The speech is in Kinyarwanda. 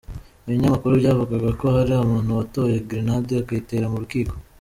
Ibinyamakuru byavugaga ko hari umuntu watoye grenade akayitera mu rukiko.